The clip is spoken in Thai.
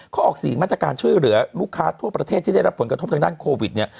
เขาออก๔มาตรการช่วยเหลือลูกค้าทั่วประเทศที่ได้รับผลกระทบทางด้านโควิดเนี่ย